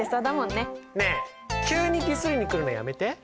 ねえ急にディスりにくるのやめて。